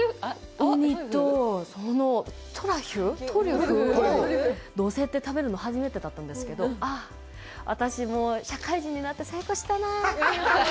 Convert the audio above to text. ウニとトリュフをのせて食べるの初めてだったんですけど、あっ、私、もう社会人になって成功したなぁって。